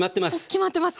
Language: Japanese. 決まってますか！